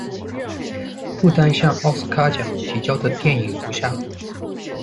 不丹向奥斯卡奖递交的电影如下：